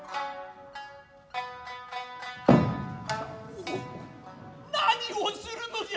おっ何をするのじゃ。